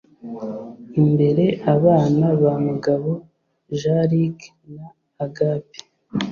Imbere abana ba mugabo jean luc na agape